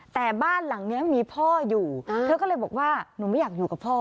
แต่บ้านหลังนี้มีพ่ออยู่เธอก็เลยบอกว่าหนูไม่อยากอยู่กับพ่อ